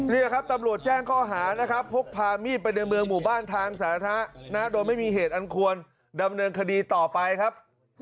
นี่แหละครับตำรวจแจ้งข้อหานะครับพกพามีดไปในเมืองหมู่บ้านทางสาธารณะโดยไม่มีเหตุอันควรดำเนินคดีต่อไปครับ